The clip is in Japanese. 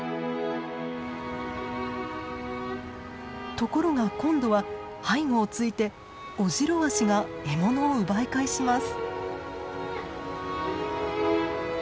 ところが今度は背後をついてオジロワシが獲物を奪い返します。